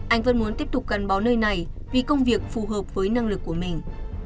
anh vẫn muốn tiếp tục gắn bó nơi này vì công việc phù hợp với năng lực của mình